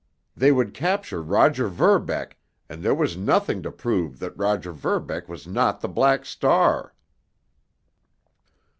They would capture Roger Verbeck—and there was nothing to prove that Roger Verbeck was not the Black Star!